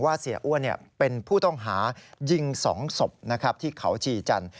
เสียอ้วนเป็นผู้ต้องหายิง๒ศพที่เขาชีจันทร์